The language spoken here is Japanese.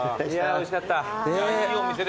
おいしかった。